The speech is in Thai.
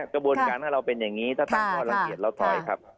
กระบวนการถ้าเราเป็นอย่างนี้ถ้าตั้งข้อลังเกียจเราถอยครับ